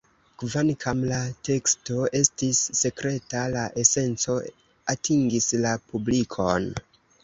Kvankam la teksto estis sekreta, la esenco atingis la publikon.